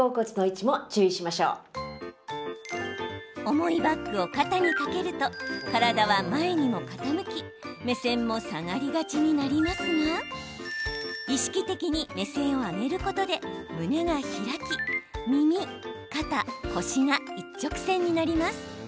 重いバッグを肩にかけると体は前にも傾き目線も下がりがちになりますが意識的に目線を上げることで胸が開き、耳、肩、腰が一直線になります。